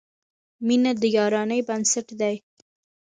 • مینه د یارانې بنسټ دی.